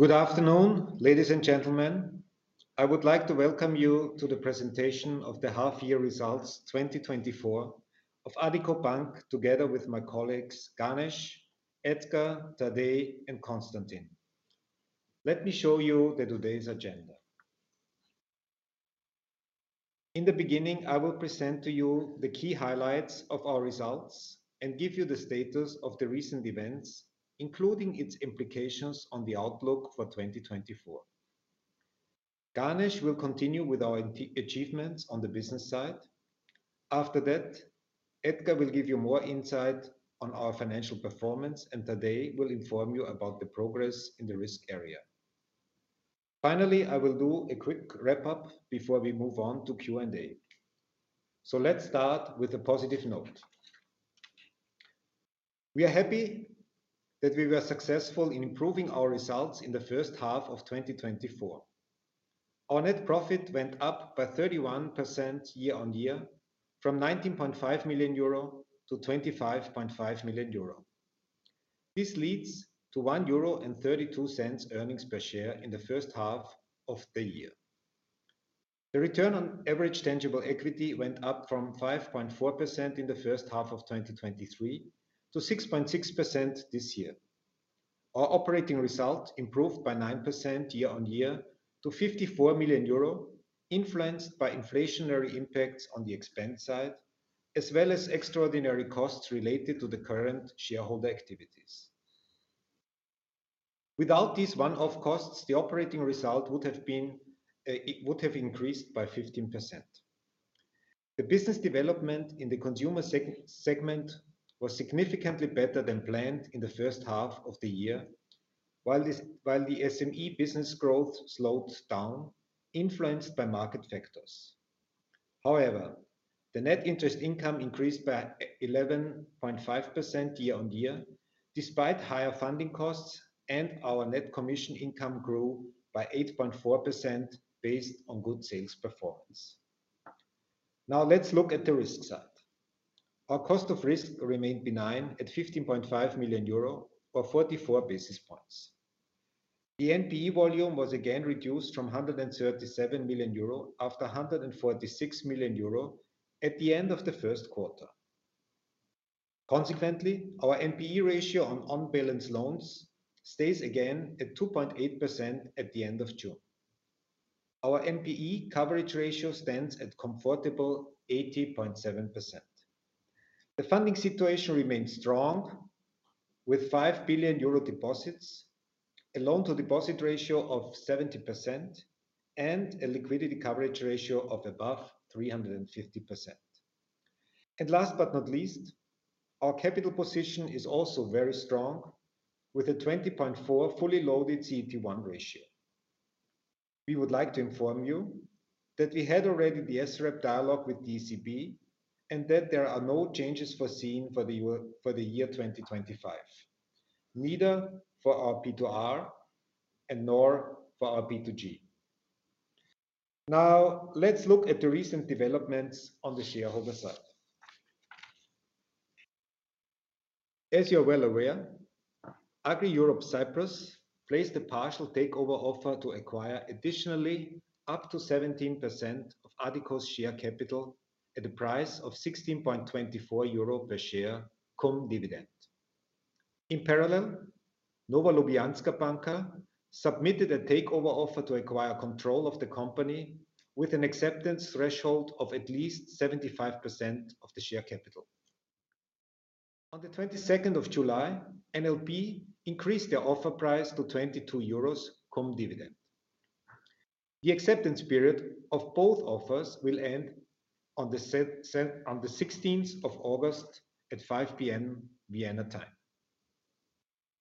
Good afternoon, ladies and gentlemen. I would like to welcome you to the presentation of the half-year results 2024 of Addiko Bank, together with my colleagues, Ganesh, Edgar, Tadej, and Constantin. Let me show you today's agenda. In the beginning, I will present to you the key highlights of our results and give you the status of the recent events, including its implications on the outlook for 2024. Ganesh will continue with our achievements on the business side. After that, Edgar will give you more insight on our financial performance, and Tadej will inform you about the progress in the risk area. Finally, I will do a quick wrap-up before we move on to Q&A. Let's start with a positive note. We are happy that we were successful in improving our results in the first half of 2024. Our net profit went up by 31% year-on-year, from 19.5 million euro to 25.5 million euro. This leads to 1.32 euro earnings per share in the first half of the year. The return on average tangible equity went up from 5.4% in the first half of 2023, to 6.6% this year. Our operating result improved by 9% year-on-year to 54 million euro, influenced by inflationary impacts on the expense side, as well as extraordinary costs related to the current shareholder activities. Without these one-off costs, the operating result would have been, it would have increased by 15%. The business development in the consumer segment was significantly better than planned in the first half of the year, while the SME business growth slowed down, influenced by market factors. However, the net interest income increased by 11.5% year on year, despite higher funding costs, and our net commission income grew by 8.4% based on good sales performance. Now, let's look at the risk side. Our cost of risk remained benign at 15.5 million euro or 44 basis points. The NPE volume was again reduced from 137 million euro after 146 million euro at the end of the first quarter. Consequently, our NPE ratio on on-balance loans stays again at 2.8% at the end of June. Our NPE coverage ratio stands at comfortable 80.7%. The funding situation remains strong, with 5 billion euro deposits, a loan-to-deposit ratio of 70%, and a liquidity coverage ratio of above 350%. And last but not least, our capital position is also very strong, with a 20.4 fully loaded CET1 ratio. We would like to inform you that we had already the SREP dialogue with ECB, and that there are no changes foreseen for the year, for the year 2025, neither for our P2R and nor for our P2G. Now, let's look at the recent developments on the shareholder side. As you are well aware, Agri Europe Cyprus placed a partial takeover offer to acquire additionally up to 17% of Addiko's share capital at a price of 16.24 euro per share, cum dividend. In parallel, Nova Ljubljanska Banka submitted a takeover offer to acquire control of the company with an acceptance threshold of at least 75% of the share capital. On the twenty-second of July, NLB increased their offer price to 22 euros, cum dividend. The acceptance period of both offers will end on the sixteenth of August at 5:00 P.M. Vienna time.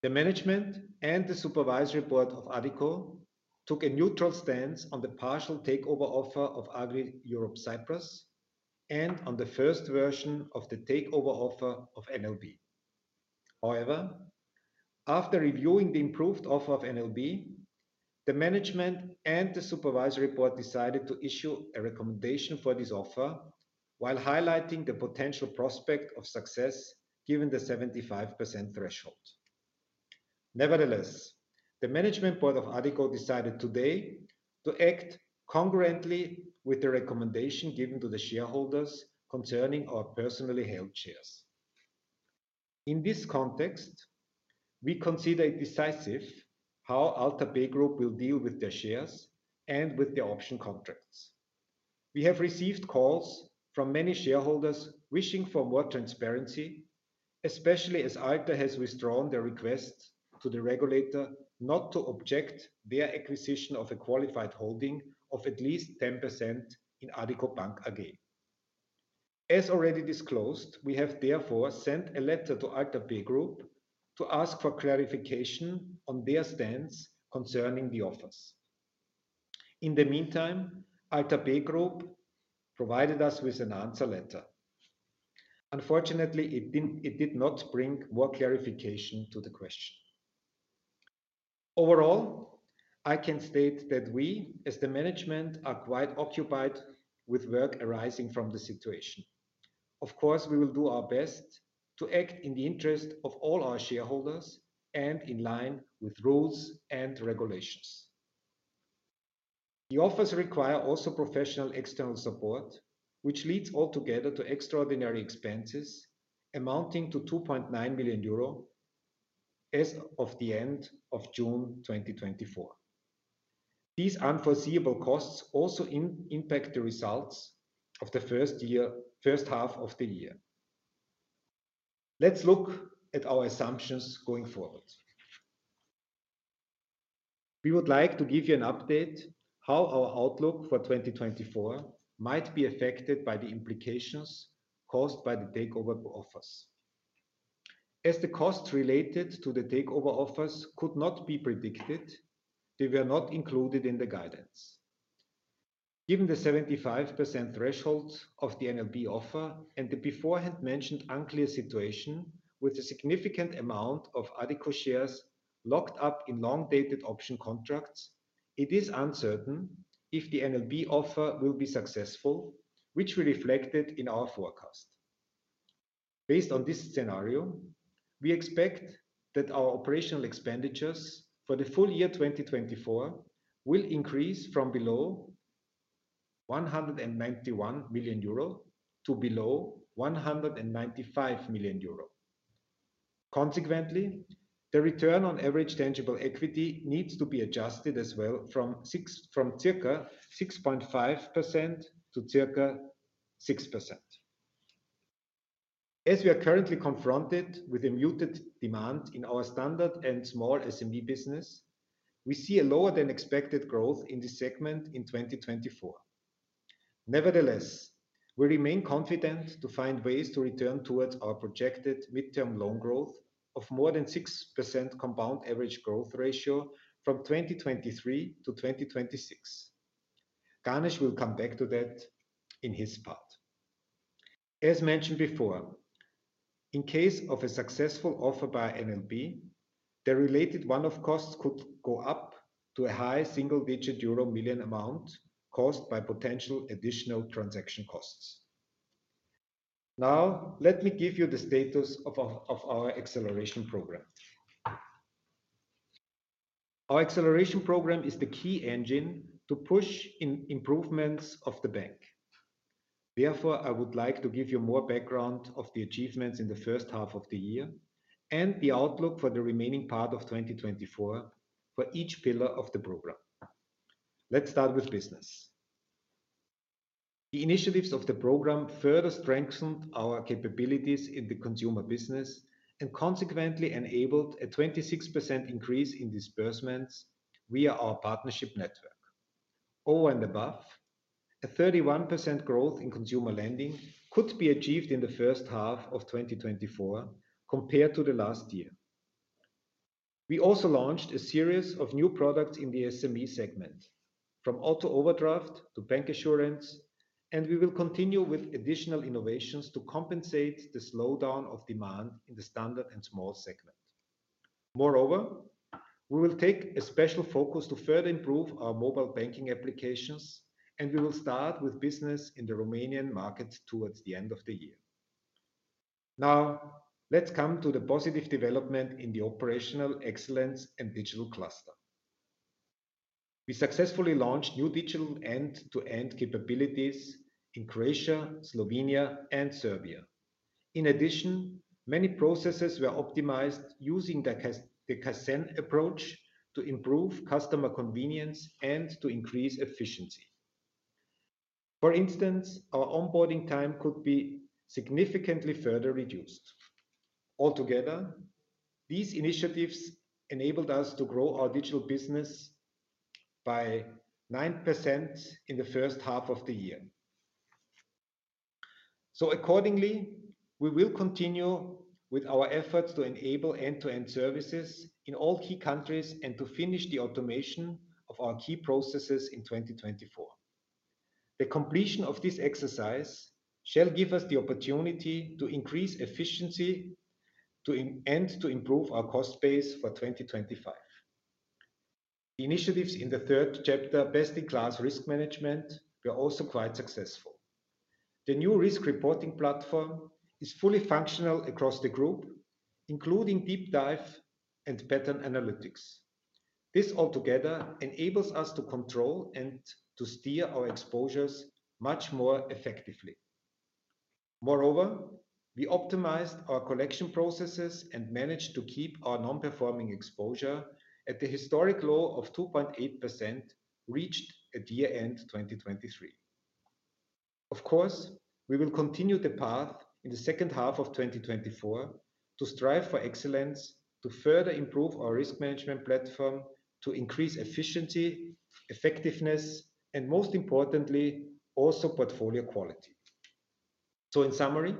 The management and the supervisory board of Addiko took a neutral stance on the partial takeover offer of Agri Europe Cyprus, and on the first version of the takeover offer of NLB. However, after reviewing the improved offer of NLB, the management and the supervisory board decided to issue a recommendation for this offer, while highlighting the potential prospect of success, given the 75% threshold. Nevertheless, the management board of Addiko decided today to act congruently with the recommendation given to the shareholders concerning our personally held shares. In this context, we consider it decisive how Alta Pay Group will deal with their shares and with the option contracts. We have received calls from many shareholders wishing for more transparency, especially as Alta has withdrawn their request to the regulator not to object their acquisition of a qualified holding of at least 10% in Addiko Bank AG. As already disclosed, we have therefore sent a letter to Alta Pay Group to ask for clarification on their stance concerning the offers. In the meantime, Alta Pay Group provided us with an answer letter. Unfortunately, it did not bring more clarification to the question. Overall, I can state that we, as the management, are quite occupied with work arising from the situation... Of course, we will do our best to act in the interest of all our shareholders and in line with rules and regulations. The offers require also professional external support, which leads altogether to extraordinary expenses amounting to 2.9 billion euro as of the end of June 2024. These unforeseeable costs also impact the results of the first half of the year. Let's look at our assumptions going forward. We would like to give you an update how our outlook for 2024 might be affected by the implications caused by the takeover offers. As the costs related to the takeover offers could not be predicted, they were not included in the guidance. Given the 75% threshold of the NLB offer and the beforehand mentioned unclear situation, with a significant amount of Addiko shares locked up in long-dated option contracts, it is uncertain if the NLB offer will be successful, which we reflected in our forecast. Based on this scenario, we expect that our operational expenditures for the full year 2024 will increase from below 191 million euro to below 195 million euro. Consequently, the return on average tangible equity needs to be adjusted as well from circa 6.5% to circa 6%. As we are currently confronted with a muted demand in our standard and small SME business, we see a lower-than-expected growth in this segment in 2024. Nevertheless, we remain confident to find ways to return towards our projected midterm loan growth of more than 6% compound average growth ratio from 2023 to 2026. Ganesh will come back to that in his part. As mentioned before, in case of a successful offer by NLB, the related one-off costs could go up to a high single-digit euro million amount caused by potential additional transaction costs. Now, let me give you the status of our acceleration program. Our acceleration program is the key engine to push in improvements of the bank. Therefore, I would like to give you more background of the achievements in the first half of the year and the outlook for the remaining part of 2024 for each pillar of the program. Let's start with business. The initiatives of the program further strengthened our capabilities in the consumer business, and consequently enabled a 26% increase in disbursements via our partnership network. All and above, a 31% growth in consumer lending could be achieved in the first half of 2024 compared to the last year. We also launched a series of new products in the SME segment, from auto overdraft to bancassurance, and we will continue with additional innovations to compensate the slowdown of demand in the standard and small segment. Moreover, we will take a special focus to further improve our mobile banking applications, and we will start with business in the Romanian market towards the end of the year. Now, let's come to the positive development in the operational excellence and digital cluster. We successfully launched new digital end-to-end capabilities in Croatia, Slovenia, and Serbia. In addition, many processes were optimized using the Kaizen approach to improve customer convenience and to increase efficiency. For instance, our onboarding time could be significantly further reduced. Altogether, these initiatives enabled us to grow our digital business by 9% in the first half of the year. So accordingly, we will continue with our efforts to enable end-to-end services in all key countries and to finish the automation of our key processes in 2024. The completion of this exercise shall give us the opportunity to increase efficiency and to improve our cost base for 2025. Initiatives in the third chapter, best-in-class risk management, were also quite successful. The new risk reporting platform is fully functional across the group, including deep dive and pattern analytics. This altogether enables us to control and to steer our exposures much more effectively. Moreover, we optimized our collection processes and managed to keep our non-performing exposure at the historic low of 2.8%, reached at the end of 2023. Of course, we will continue the path in the second half of 2024 to strive for excellence, to further improve our risk management platform, to increase efficiency, effectiveness, and most importantly, also portfolio quality. So in summary,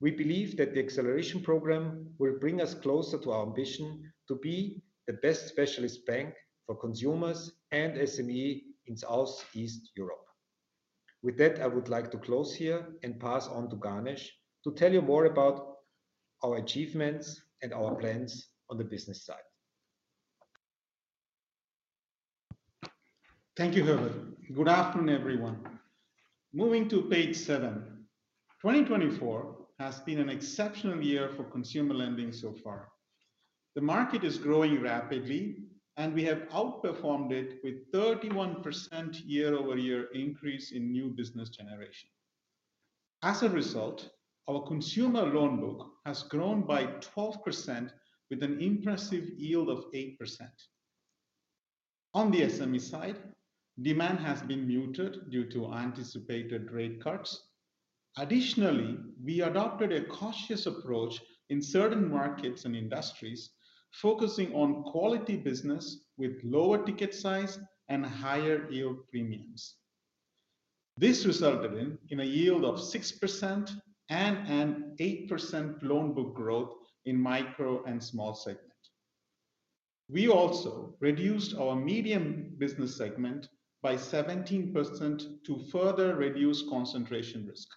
we believe that the acceleration program will bring us closer to our ambition to be the best specialist bank for consumers and SME in South East Europe. With that, I would like to close here and pass on to Ganesh to tell you more about our achievements and our plans on the business side.... Thank you, Herbert. Good afternoon, everyone. Moving to page 7. 2024 has been an exceptional year for consumer lending so far. The market is growing rapidly, and we have outperformed it with 31% year-over-year increase in new business generation. As a result, our consumer loan book has grown by 12% with an impressive yield of 8%. On the SME side, demand has been muted due to anticipated rate cuts. Additionally, we adopted a cautious approach in certain markets and industries, focusing on quality business with lower ticket size and higher yield premiums. This resulted in a yield of 6% and an 8% loan book growth in micro and small segment. We also reduced our medium business segment by 17% to further reduce concentration risk.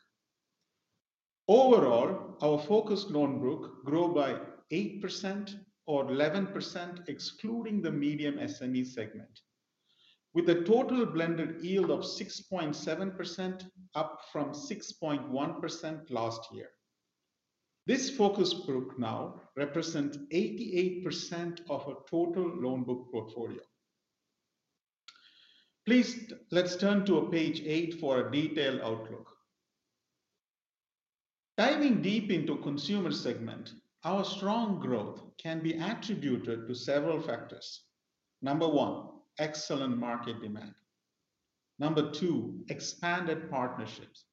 Overall, our focused loan book grew by 8% or 11%, excluding the medium SME segment, with a total blended yield of 6.7%, up from 6.1% last year. This focus book now represents 88% of our total loan book portfolio. Please, let's turn to page 8 for a detailed outlook. Diving deep into consumer segment, our strong growth can be attributed to several factors. Number 1, excellent market demand. Number 2, expanded partnerships.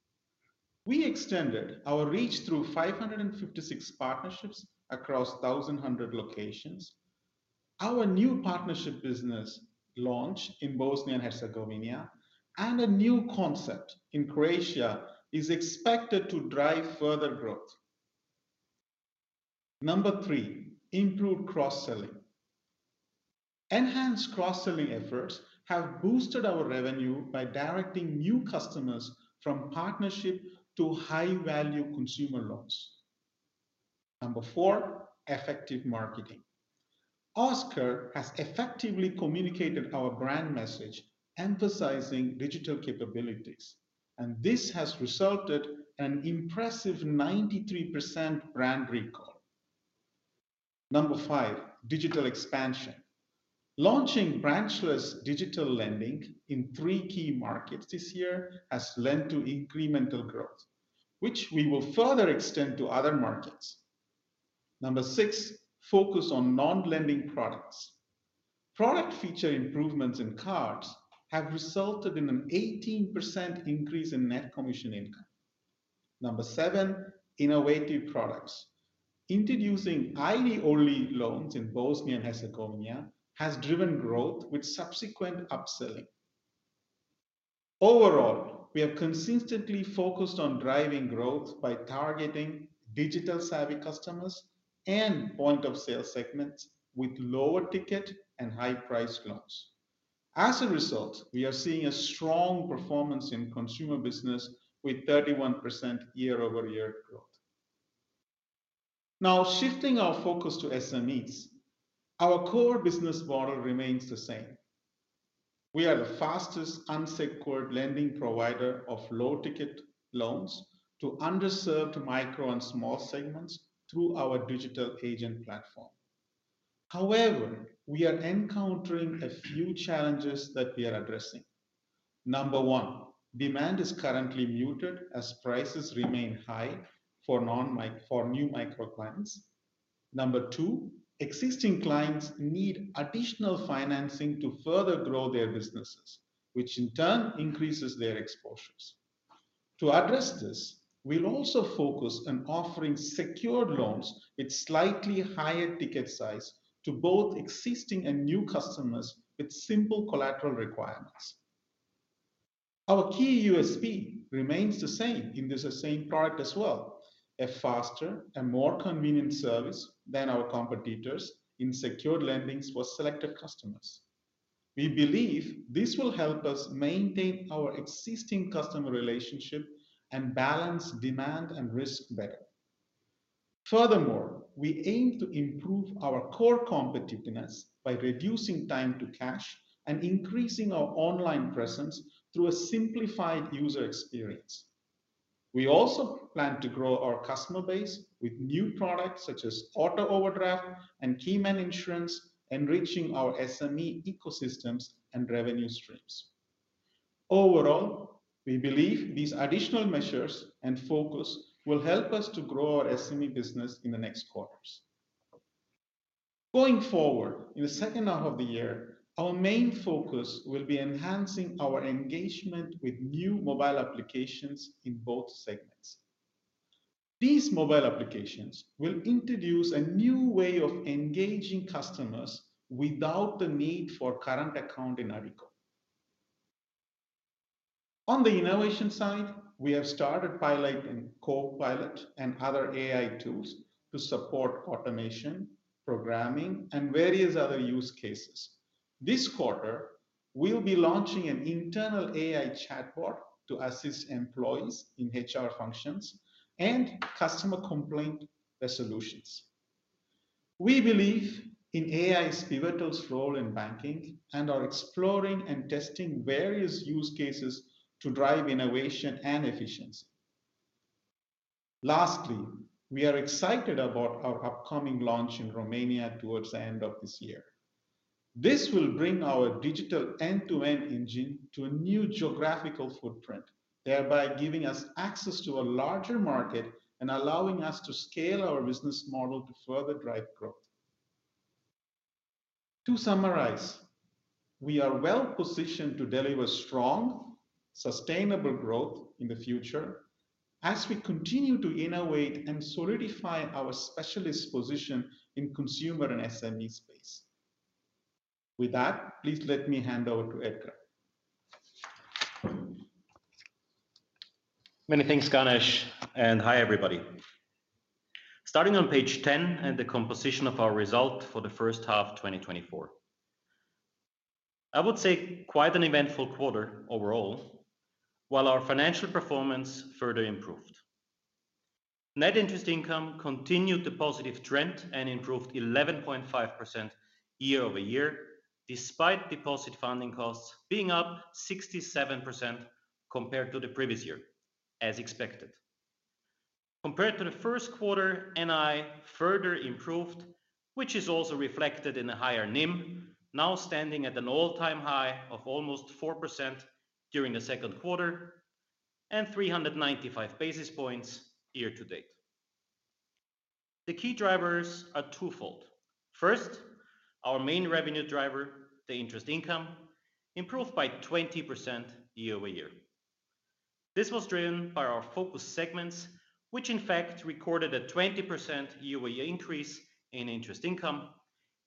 We extended our reach through 556 partnerships across 1,100 locations. Our new partnership business launched in Bosnia and Herzegovina, and a new concept in Croatia is expected to drive further growth. Number 3, improved cross-selling. Enhanced cross-selling efforts have boosted our revenue by directing new customers from partnership to high-value consumer loans. Number 4, effective marketing. Oskar has effectively communicated our brand message, emphasizing digital capabilities, and this has resulted in an impressive 93% brand recall. Number 5, digital expansion. Launching branchless digital lending in 3 key markets this year has led to incremental growth, which we will further extend to other markets. Number 6, focus on non-lending products. Product feature improvements in cards have resulted in an 18% increase in net commission income. Number 7, innovative products. Introducing ID-only loans in Bosnia and Herzegovina has driven growth with subsequent upselling. Overall, we have consistently focused on driving growth by targeting digital-savvy customers and point-of-sale segments with lower ticket and high price loans. As a result, we are seeing a strong performance in consumer business with 31% year-over-year growth. Now, shifting our focus to SMEs, our core business model remains the same. We are the fastest unsecured lending provider of low-ticket loans to underserved micro and small segments through our digital agent platform. However, we are encountering a few challenges that we are addressing. Number one, demand is currently muted as prices remain high for new micro clients. Number two, existing clients need additional financing to further grow their businesses, which in turn increases their exposures. To address this, we'll also focus on offering secured loans with slightly higher ticket size to both existing and new customers, with simple collateral requirements. Our key USP remains the same in this same product as well: a faster and more convenient service than our competitors in secured lendings for selected customers. We believe this will help us maintain our existing customer relationship and balance demand and risk better. Furthermore, we aim to improve our core competitiveness by reducing time to cash and increasing our online presence through a simplified user experience. We also plan to grow our customer base with new products such as auto overdraft and keyman insurance, enriching our SME ecosystems and revenue streams. Overall, we believe these additional measures and focus will help us to grow our SME business in the next quarters. Going forward, in the second half of the year, our main focus will be enhancing our engagement with new mobile applications in both segments. These mobile applications will introduce a new way of engaging customers without the need for current account in Addiko. On the innovation side, we have started piloting Copilot and other AI tools to support automation, programming, and various other use cases. This quarter, we'll be launching an internal AI chatbot to assist employees in HR functions and customer complaint resolutions... We believe in AI's pivotal role in banking, and are exploring and testing various use cases to drive innovation and efficiency. Lastly, we are excited about our upcoming launch in Romania towards the end of this year. This will bring our digital end-to-end engine to a new geographical footprint, thereby giving us access to a larger market and allowing us to scale our business model to further drive growth. To summarize, we are well positioned to deliver strong, sustainable growth in the future as we continue to innovate and solidify our specialist position in consumer and SME space. With that, please let me hand over to Edgar. Many thanks, Ganesh, and hi, everybody. Starting on page 10, and the composition of our result for the first half 2024. I would say quite an eventful quarter overall, while our financial performance further improved. Net interest income continued the positive trend and improved 11.5% year-over-year, despite deposit funding costs being up 67% compared to the previous year, as expected. Compared to the first quarter, NI further improved, which is also reflected in a higher NIM, now standing at an all-time high of almost 4% during the second quarter, and 395 basis points year to date. The key drivers are twofold. First, our main revenue driver, the interest income, improved by 20% year-over-year. This was driven by our focus segments, which in fact recorded a 20% year-over-year increase in interest income,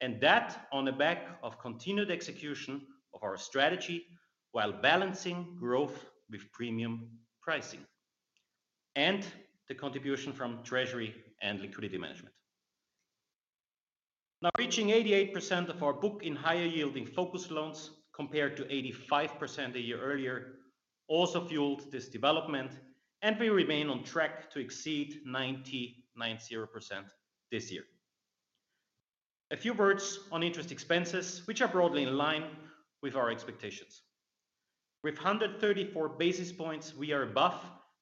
and that on the back of continued execution of our strategy, while balancing growth with premium pricing, and the contribution from treasury and liquidity management. Now, reaching 88% of our book in higher yielding focus loans, compared to 85% a year earlier, also fueled this development, and we remain on track to exceed 99.0% this year. A few words on interest expenses, which are broadly in line with our expectations. With 134 basis points, we are above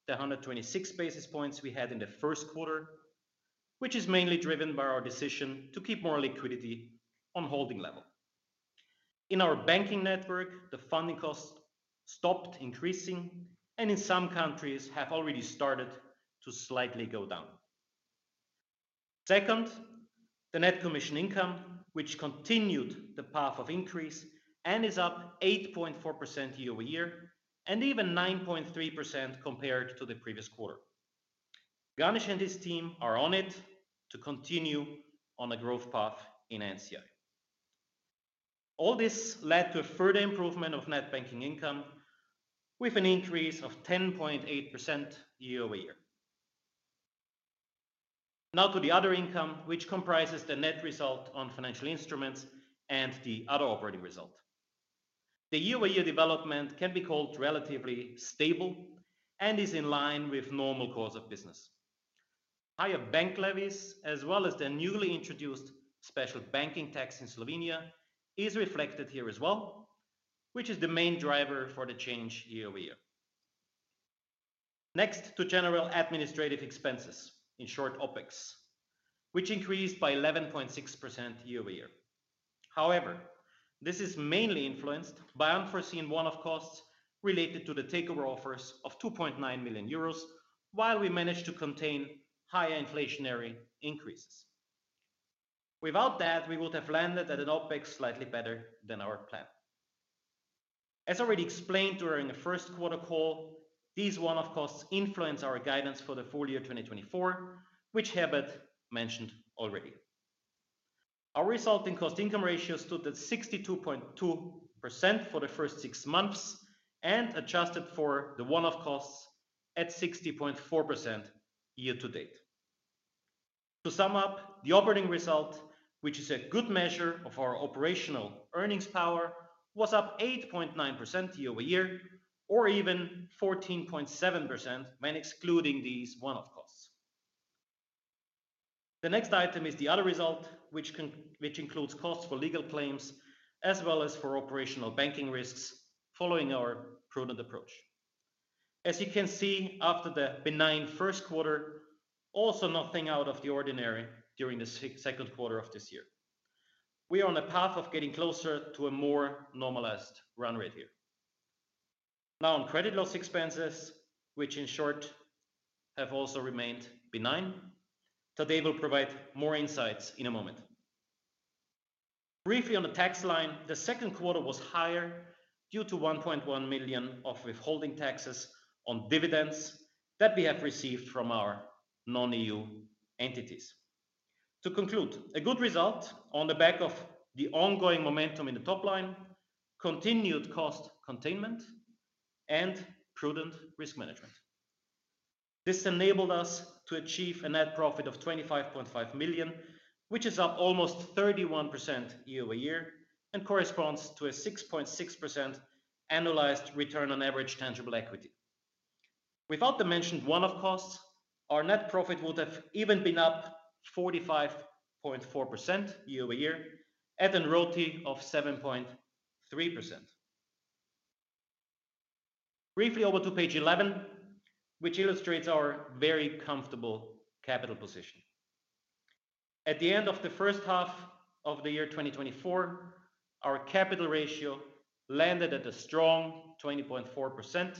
the 126 basis points we had in the first quarter, which is mainly driven by our decision to keep more liquidity on holding level. In our banking network, the funding cost stopped increasing, and in some countries have already started to slightly go down. Second, the net commission income, which continued the path of increase and is up 8.4% year-over-year, and even 9.3% compared to the previous quarter. Ganesh and his team are on it to continue on a growth path in NCI. All this led to a further improvement of net banking income with an increase of 10.8% year-over-year. Now to the other income, which comprises the net result on financial instruments and the other operating result. The year-over-year development can be called relatively stable and is in line with normal course of business. Higher bank levies, as well as the newly introduced special banking tax in Slovenia, is reflected here as well, which is the main driver for the change year over year. Next to general administrative expenses, in short, OpEx, which increased by 11.6% year over year. However, this is mainly influenced by unforeseen one-off costs related to the takeover offers of 2.9 million euros, while we managed to contain higher inflationary increases. Without that, we would have landed at an OpEx slightly better than our plan. As already explained during the first quarter call, these one-off costs influence our guidance for the full year 2024, which Herbert mentioned already. Our resulting cost income ratio stood at 62.2% for the first six months, and adjusted for the one-off costs at 60.4% year to date. To sum up, the operating result, which is a good measure of our operational earnings power, was up 8.9% year-over-year, or even 14.7% when excluding these one-off costs. The next item is the other result, which includes costs for legal claims as well as for operational banking risks following our prudent approach. As you can see, after the benign first quarter, also nothing out of the ordinary during the second quarter of this year. We are on a path of getting closer to a more normalized run rate here. Now, on credit loss expenses, which in short have also remained benign, Tadej will provide more insights in a moment. Briefly on the tax line, the second quarter was higher due to 1.1 million of withholding taxes on dividends that we have received from our non-EU entities. To conclude, a good result on the back of the ongoing momentum in the top line, continued cost containment, and prudent risk management. This enabled us to achieve a net profit of 25.5 million, which is up almost 31% year-over-year and corresponds to a 6.6% annualized return on average tangible equity. Without the mentioned one-off costs, our net profit would have even been up 45.4% year-over-year, at a ROTE of 7.3%. Briefly over to page 11, which illustrates our very comfortable capital position. At the end of the first half of the year 2024, our capital ratio landed at a strong 20.4%,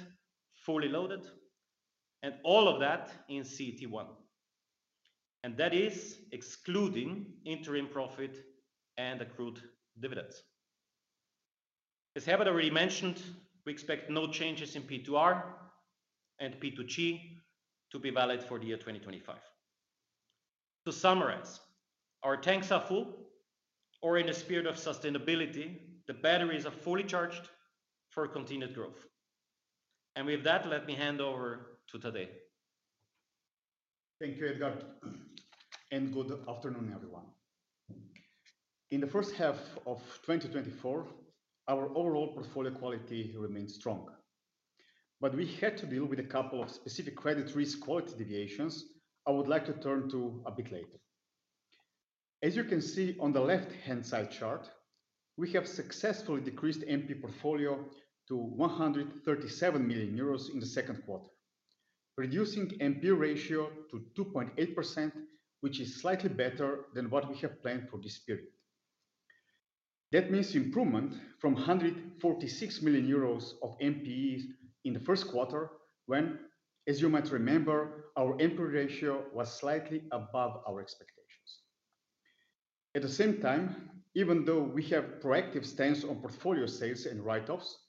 fully loaded, and all of that in CET1, and that is excluding interim profit and accrued dividends. As Herbert already mentioned, we expect no changes in P2R and P2G to be valid for the year 2025. To summarize, our tanks are full, or in the spirit of sustainability, the batteries are fully charged for continued growth. With that, let me hand over to Tadej. Thank you, Edgar, and good afternoon, everyone. In the first half of 2024, our overall portfolio quality remained strong, but we had to deal with a couple of specific credit risk quality deviations, I would like to turn to a bit later. As you can see on the left-hand side chart, we have successfully decreased NP portfolio to 137 million euros in the second quarter, reducing NP ratio to 2.8%, which is slightly better than what we have planned for this period. That means improvement from 146 million euros of NPE in the first quarter, when, as you might remember, our NP ratio was slightly above our expectations. At the same time, even though we have proactive stance on portfolio sales and write-offs, we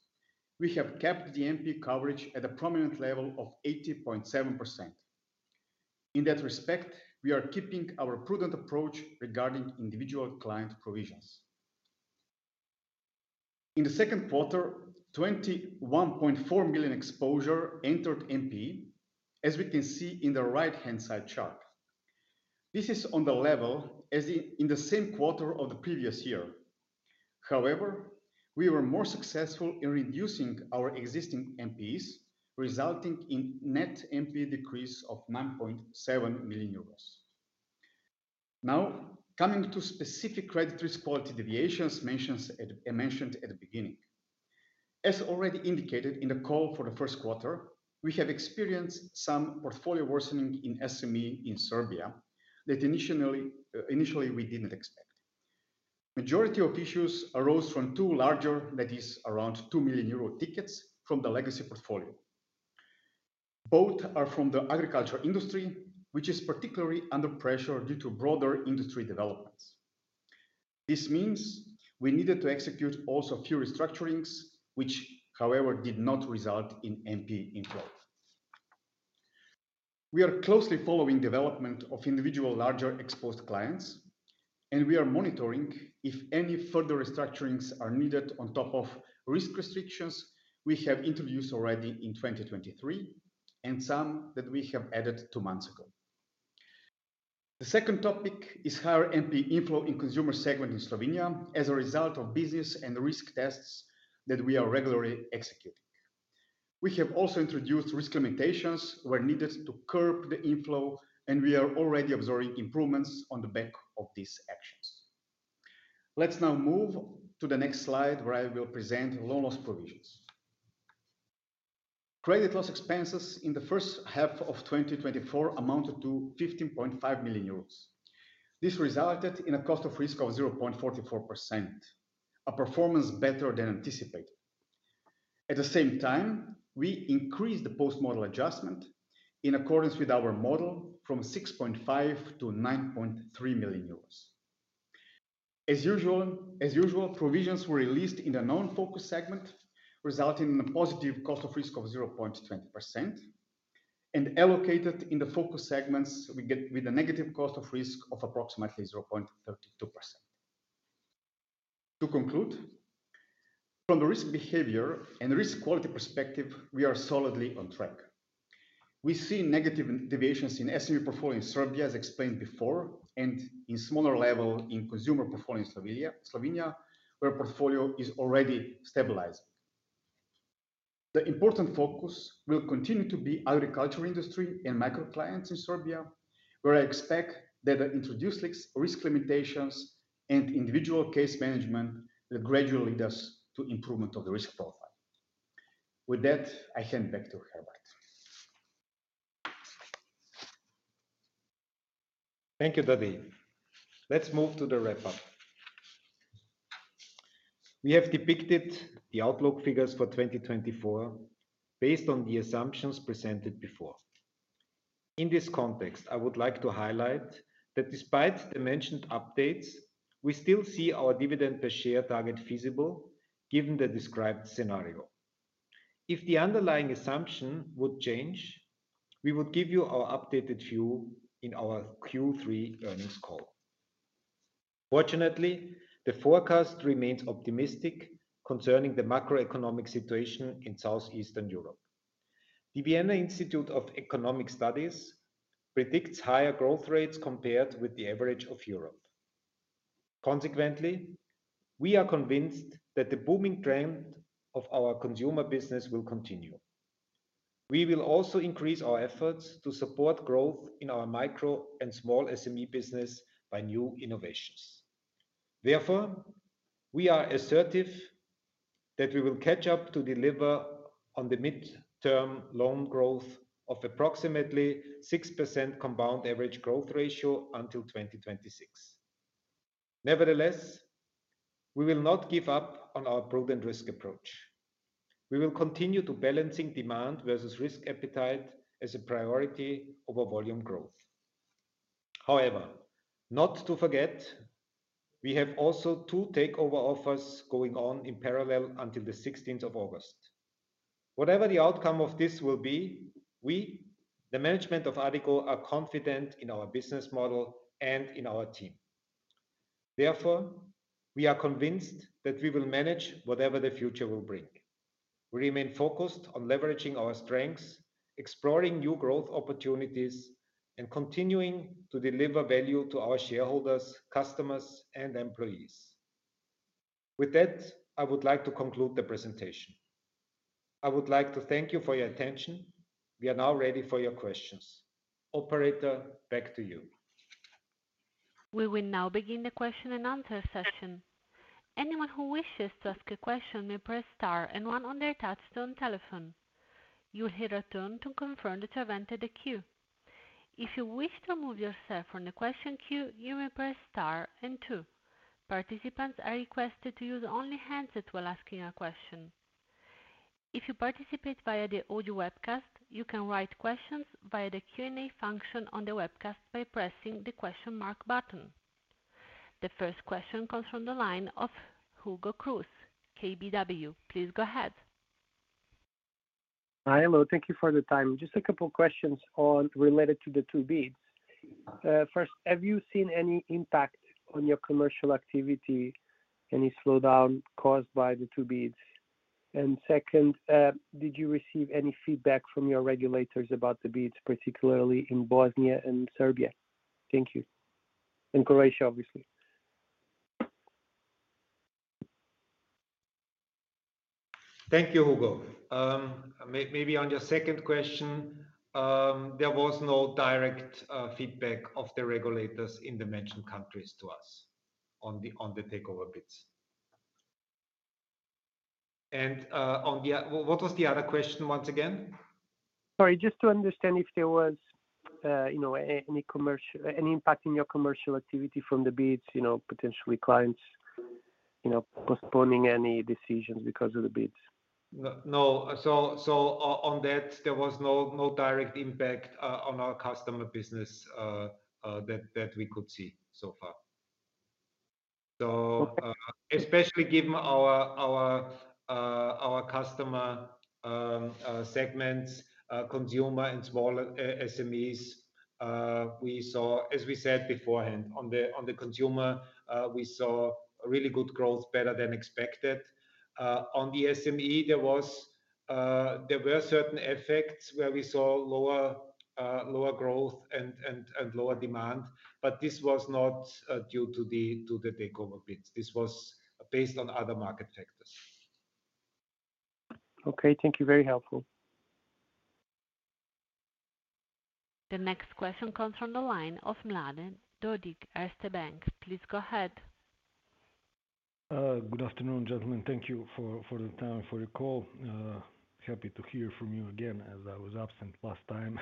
have kept the NP coverage at a prominent level of 80.7%. In that respect, we are keeping our prudent approach regarding individual client provisions. In the second quarter, 21.4 million exposure entered NP, as we can see in the right-hand side chart. This is on the level as in, in the same quarter of the previous year. However, we were more successful in reducing our existing NPEs, resulting in net NPE decrease of 9.7 million euros. Now, coming to specific credit risk quality deviations mentioned at—I mentioned at the beginning. As already indicated in the call for the first quarter, we have experienced some portfolio worsening in SME in Serbia that initially, initially we didn't expect. Majority of issues arose from two larger, that is, around 2 million euro tickets from the legacy portfolio. Both are from the agriculture industry, which is particularly under pressure due to broader industry developments. This means we needed to execute also few restructurings, which, however, did not result in NP inflow. We are closely following development of individual larger exposed clients, and we are monitoring if any further restructurings are needed on top of risk restrictions we have introduced already in 2023, and some that we have added two months ago. The second topic is higher NP inflow in consumer segment in Slovenia as a result of business and risk tests that we are regularly executing. We have also introduced risk limitations where needed to curb the inflow, and we are already observing improvements on the back of these actions. Let's now move to the next slide, where I will present loan loss provisions. Credit loss expenses in the first half of 2024 amounted to 15.5 million euros. This resulted in a cost of risk of 0.44%, a performance better than anticipated. At the same time, we increased the post-model adjustment in accordance with our model from 6.5 million-9.3 million euros. As usual, provisions were released in the non-focus segment, resulting in a positive cost of risk of 0.20%, and allocated in the focus segments, we get with a negative cost of risk of approximately 0.32%. To conclude, from the risk behavior and risk quality perspective, we are solidly on track. We see negative deviations in SME portfolio in Serbia, as explained before, and in smaller level in consumer portfolio in Slovenia, where portfolio is already stabilized. The important focus will continue to be agriculture industry and micro clients in Serbia, where I expect that the introduced risk limitations and individual case management will gradually lead to improvement of the risk profile. With that, I hand back to Herbert. Thank you, Tadej. Let's move to the wrap-up. We have depicted the outlook figures for 2024 based on the assumptions presented before. In this context, I would like to highlight that despite the mentioned updates, we still see our dividend per share target feasible given the described scenario. If the underlying assumption would change, we would give you our updated view in our Q3 earnings call. Fortunately, the forecast remains optimistic concerning the macroeconomic situation in Southeastern Europe. The Vienna Institute of Economic Studies predicts higher growth rates compared with the average of Europe.... consequently, we are convinced that the booming trend of our consumer business will continue. We will also increase our efforts to support growth in our micro and small SME business by new innovations. Therefore, we are assertive that we will catch up to deliver on the mid-term loan growth of approximately 6% compound average growth ratio until 2026. Nevertheless, we will not give up on our prudent risk approach. We will continue to balancing demand versus risk appetite as a priority over volume growth. However, not to forget, we have also 2 takeover offers going on in parallel until the 16th of August. Whatever the outcome of this will be, we, the management of Addiko, are confident in our business model and in our team. Therefore, we are convinced that we will manage whatever the future will bring. We remain focused on leveraging our strengths, exploring new growth opportunities, and continuing to deliver value to our shareholders, customers, and employees. With that, I would like to conclude the presentation. I would like to thank you for your attention. We are now ready for your questions. Operator, back to you. We will now begin the question and answer session. Anyone who wishes to ask a question may press star and one on their touchtone telephone. You will hear a tone to confirm that you have entered the queue. If you wish to remove yourself from the question queue, you may press star and two. Participants are requested to use only hands while asking a question. If you participate via the audio webcast, you can write questions via the Q&A function on the webcast by pressing the question mark button. The first question comes from the line of Hugo Cruz, KBW. Please go ahead. Hi. Hello, thank you for the time. Just a couple questions on related to the two bids. First, have you seen any impact on your commercial activity, any slowdown caused by the two bids? And second, did you receive any feedback from your regulators about the bids, particularly in Bosnia and Serbia? Thank you. And Croatia, obviously. Thank you, Hugo. Maybe on your second question, there was no direct feedback of the regulators in the mentioned countries to us on the, on the takeover bids. And, on the... What was the other question once again? Sorry, just to understand if there was, you know, any commercial, any impact in your commercial activity from the bids, you know, potentially clients, you know, postponing any decisions because of the bids. No. So on that, there was no direct impact on our customer business that we could see so far. So, especially given our customer segments, consumer and smaller SMEs, we saw, as we said beforehand, on the consumer, we saw really good growth, better than expected. On the SME, there were certain effects where we saw lower growth and lower demand. But this was not due to the takeover bids. This was based on other market factors. Okay, thank you. Very helpful. The next question comes from the line of Mladen Dodig, Erste Bank. Please go ahead. Good afternoon, gentlemen. Thank you for the time for your call. Happy to hear from you again, as I was absent last time.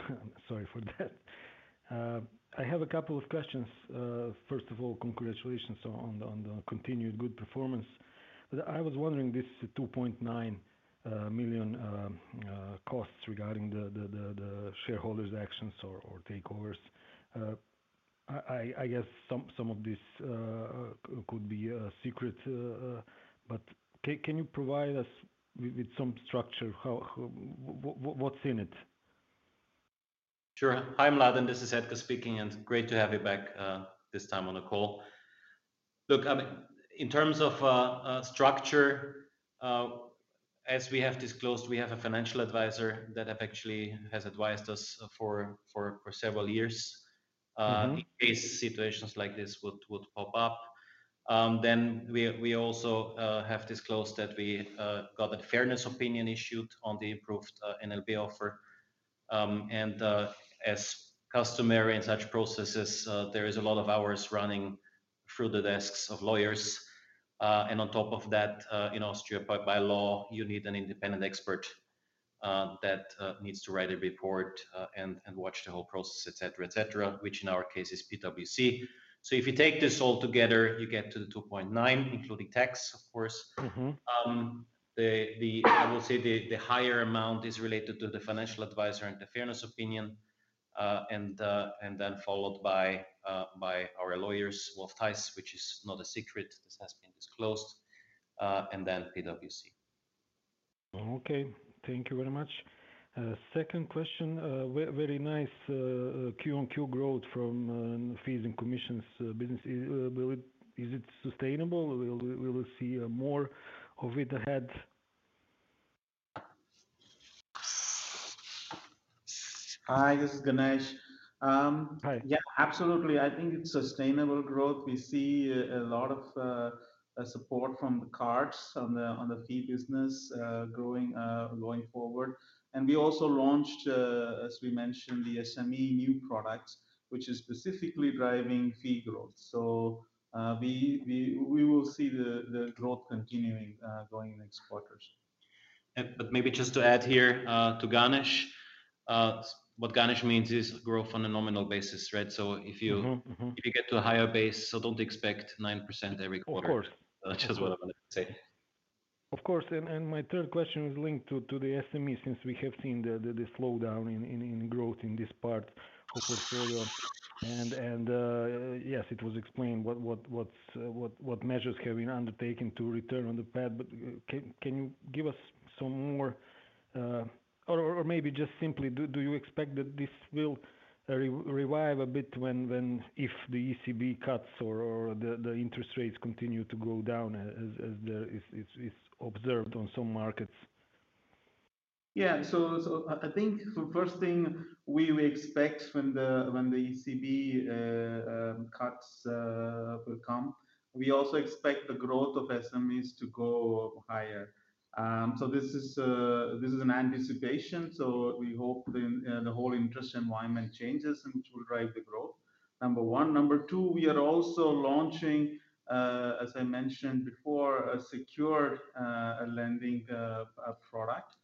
Sorry for that. I have a couple of questions. First of all, congratulations on the continued good performance. I was wondering, this 2.9 million costs regarding the shareholders actions or takeovers. I guess some of this could be secret, but can you provide us with some structure, how what's in it? Sure. Hi, Mladen, this is Edgar speaking, and great to have you back, this time on the call. Look, in terms of, structure, as we have disclosed, we have a financial advisor that have actually has advised us for several years- ... in case situations like this would pop up. Then we also have disclosed that we got a fairness opinion issued on the approved NLB offer. As customary in such processes, there is a lot of hours running through the desks of lawyers. On top of that, in Austria, by law, you need an independent expert that needs to write a report and watch the whole process, et cetera, et cetera, which in our case is PwC. So if you take this all together, you get to the 2.9, including tax, of course. I would say the higher amount is related to the financial advisor and the fairness opinion, and then followed by our lawyers, Wolf Theiss, which is not a secret. This has been disclosed, and then PwC. Okay. Thank you very much. Second question, very nice Q-on-Q growth from fees and commissions business. Will it... Is it sustainable? Will we see more of it ahead?... Hi, this is Ganesh. Hi. Yeah, absolutely. I think it's sustainable growth. We see a lot of support from the cards on the fee business growing going forward. And we also launched, as we mentioned, the SME new products, which is specifically driving fee growth. So, we will see the growth continuing going in next quarters. But maybe just to add here, to Ganesh, what Ganesh means is growth on a nominal basis, right? So if you-... if you get to a higher base, so don't expect 9% every quarter. Of course. Just what I wanted to say. Of course. And my third question was linked to the SME, since we have seen the slowdown in growth in this part of portfolio. And yes, it was explained what measures have been undertaken to return on the path, but can you give us some more... Or maybe just simply, do you expect that this will revive a bit when if the ECB cuts or the interest rates continue to go down as is observed on some markets? Yeah. So I think the first thing we will expect when the ECB cuts will come, we also expect the growth of SMEs to go higher. So this is an anticipation, so we hope the whole interest environment changes, and which will drive the growth, number one. Number two, we are also launching, as I mentioned before, a secure lending product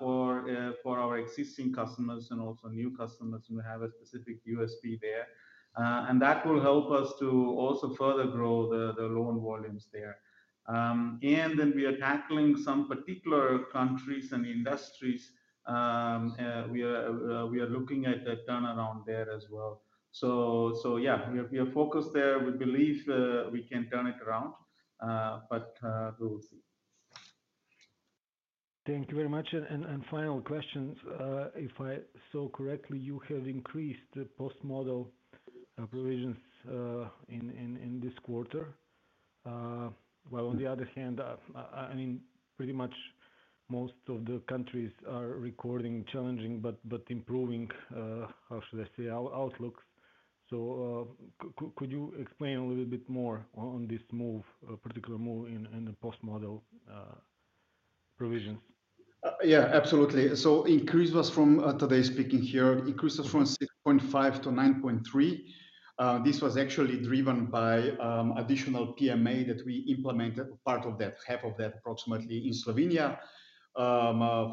for our existing customers and also new customers who have a specific USP there. And that will help us to also further grow the loan volumes there. And then we are tackling some particular countries and industries. We are looking at a turnaround there as well. So yeah, we are focused there. We believe we can turn it around, but we will see. Thank you very much. Final question, if I saw correctly, you have increased the post-model provisions in this quarter. While on the other hand, I mean, pretty much most of the countries are recording challenging but improving outlooks. Could you explain a little bit more on this move, particular move in the post-model provision? Yeah, absolutely. So increase was from, today speaking here, increases from 6.5 to 9.3. This was actually driven by additional PMA that we implemented, part of that, half of that, approximately in Slovenia.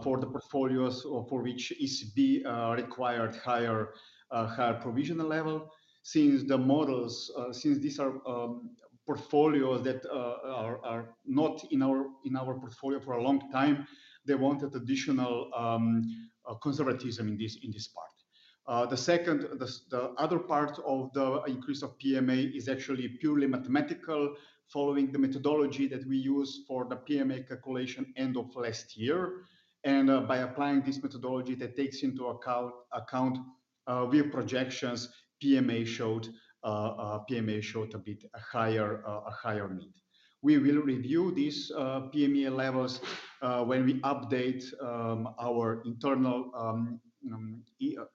For the portfolios or for which ECB required higher provisional level. Since the models, since these are portfolios that are not in our portfolio for a long time, they wanted additional conservatism in this part. The second, the other part of the increase of PMA is actually purely mathematical, following the methodology that we use for the PMA calculation end of last year. And by applying this methodology that takes into account real projections, PMA showed a bit higher, a higher need. We will review these PMA levels when we update our internal IFRS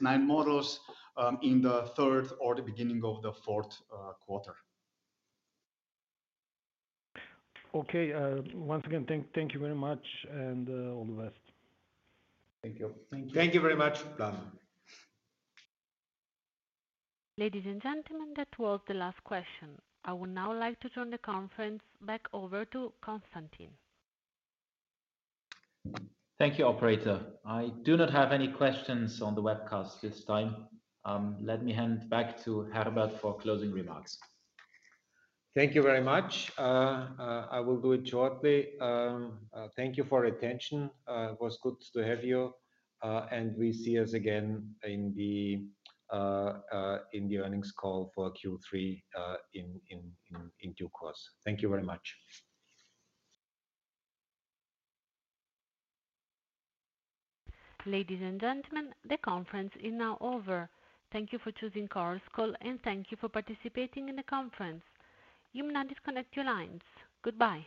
9 models in the third or the beginning of the fourth quarter. Okay. Once again, thank you very much, and all the best. Thank you. Thank you. Thank you very much. Bye. Ladies and gentlemen, that was the last question. I would now like to turn the conference back over to Constantin. Thank you, operator. I do not have any questions on the webcast this time. Let me hand back to Herbert for closing remarks. Thank you very much. I will do it shortly. Thank you for your attention. It was good to have you, and we see us again in the earnings call for Q3 in due course. Thank you very much. Ladies and gentlemen, the conference is now over. Thank you for choosing Chorus Call, and thank you for participating in the conference. You may now disconnect your lines. Goodbye.